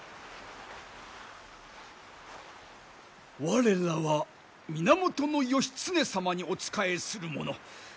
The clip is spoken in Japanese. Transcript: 我らは源義経様にお仕えする者。